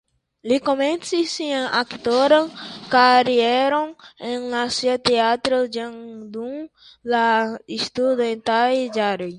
Li komencis sian aktoran karieron en Nacia Teatro (Budapeŝto) jam dum la studentaj jaroj.